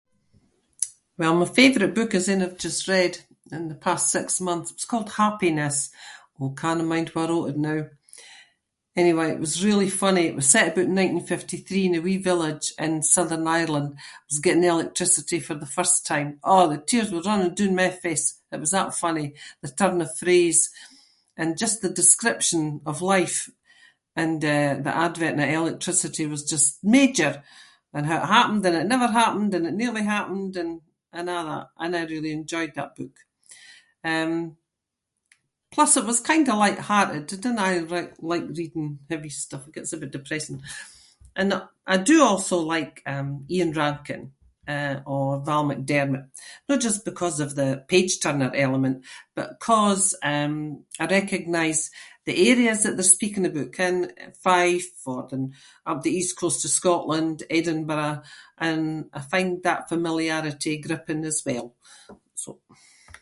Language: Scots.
Well my favourite book is ain I’ve just read in the past six months. It was called Happiness- oh cannae mind wha wrote it now. Anyway, it was really funny. It was set aboot nineteen fifty-three in a wee village in southern Ireland. It was getting electricity for the first time. Aw! The tears were running doon my face, it was that funny. The turn of phrase and just the description of life and, eh, the advent of electricity was just major and how it happened and it never happened and it nearly happened and I- and I really enjoyed that book. Um, plus it was kinda light-hearted. I dinna aie r- like reading heavy stuff, it gets a bit depressing and I- I do also like, um, Ian Rankin, eh, or Val McDermid, no just because of the page-turner element but ‘cause, um, I recognise the areas that they’re speaking aboot, ken, Fife or up the east coast of Scotland- Edinburgh, and I find that familiarity gripping as well, so-